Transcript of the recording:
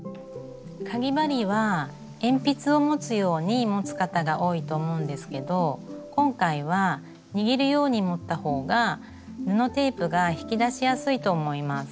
かぎ針は鉛筆を持つように持つ方が多いと思うんですけど今回は握るように持った方が布テープが引き出しやすいと思います。